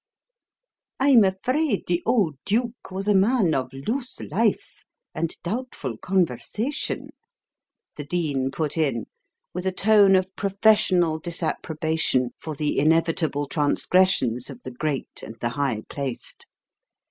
"I'm afraid the old duke was a man of loose life and doubtful conversation," the Dean put in, with a tone of professional disapprobation for the inevitable transgressions of the great and the high placed.